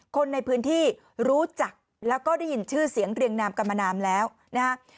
คนในพื้นที่รู้จักแล้วก็ได้ยินชื่อเสียงเรียงนามกันมานานแล้วนะฮะ